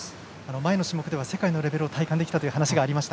前の種目では世界のレベルを体感できたというお話がありました。